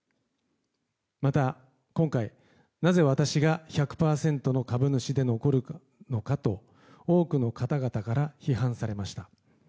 また今回、なぜ私が１００％の株主で残るのかと多くの方々から批判されました。